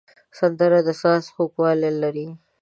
سندره د ساز خوږوالی لري